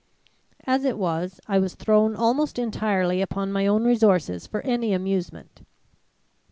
"As it was, I was thrown almost entirely upon my own resources for any amusement.